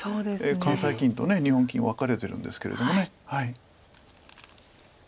関西棋院と日本棋院分かれてるんですけれども。